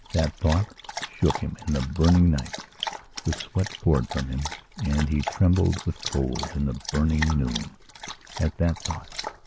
That thought shook him in the burning nights: the sweat poured from him and he trembled with cold, in the burning noonsat that thought.